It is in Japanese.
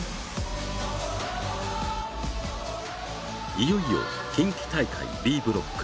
いよいよ近畿大会Ｂブロック。